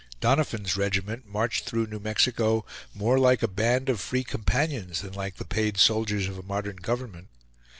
Doniphan's regiment marched through New Mexico more like a band of free companions than like the paid soldiers of a modern government.